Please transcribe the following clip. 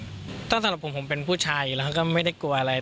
ก็สำหรับผมผมเป็นผู้ชายอยู่แล้วเขาก็ไม่ได้กลัวอะไร